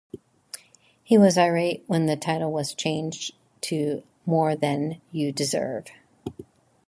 He was irate when the title was changed to "More Than You Deserve".